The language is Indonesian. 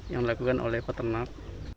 yang dilakukan oleh peternak